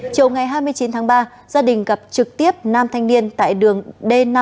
chiều ngày hai mươi chín tháng ba gia đình gặp trực tiếp nam thanh niên tại đường d năm